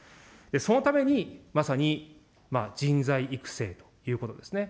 そのために、まさに人材育成ということですね。